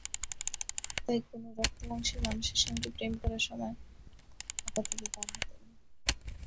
তাই কোনো রক্তমাংসের মানুষের সঙ্গে প্রেম করার সময় আপাতত তাঁর হাতে নেই।